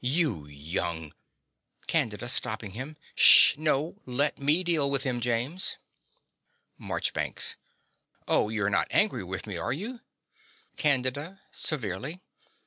You young CANDIDA (Stopping him). Sh no, let me deal with him, James. MARCHBANKS. Oh, you're not angry with me, are you? CANDIDA (severely).